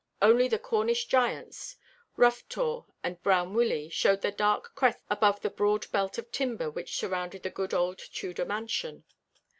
Only the Cornish giants, Roughtor and Brown Willie, showed their dark crests above the broad belt of timber which surrounded the good old Tudor mansion.